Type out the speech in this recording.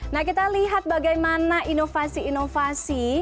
nah kita lihat bagaimana inovasi inovasi